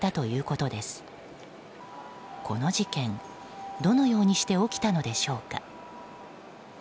この事件、どのようにして起きたのでしょうか。